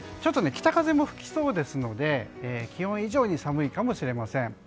北風も吹きそうですので気温以上に寒いかもしれません。